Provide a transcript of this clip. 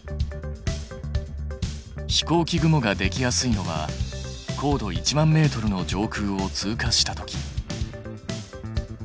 飛行機雲ができやすいのは高度１万ｍの上空を通過した時。